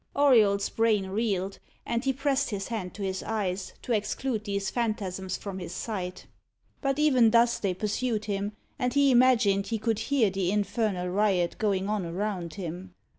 Auriol's brain reeled, and he pressed his hand to his eyes, to exclude these phantasms from his sight. But even thus they pursued him; and he imagined he could hear the infernal riot going on around him.